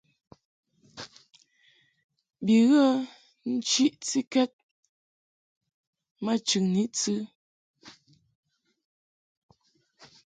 Bi ghə nchiʼtikɛd ma chɨŋni tɨ.